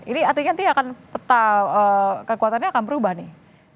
ini artinya nanti akan peta kekuatannya akan berubah nih